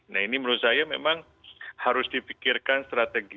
nah ini menurut saya memang harus dipikirkan strategi